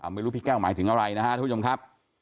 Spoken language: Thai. ไม่รู้พี่แก้วหมายถึงอะไรนะครับทุกผู้ชมครับ